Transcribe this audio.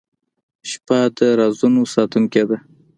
• شپه د رازونو ساتونکې ده.